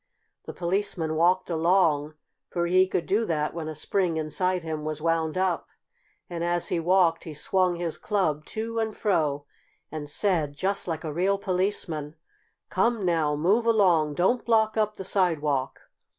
The Policeman walked along, for he could do that when a spring inside him was wound up. And as he walked he swung his club to and fro, and said, just like a real policeman: "Come now, move along! Don't block up the sidewalk."